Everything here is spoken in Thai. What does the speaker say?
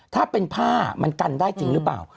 ถ้าเป็นผ้ามันกันได้จริงหรือเปล่า